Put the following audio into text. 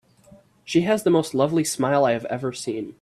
She has the most lovely smile I have ever seen.